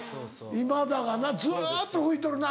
今田がなずっと拭いとるな。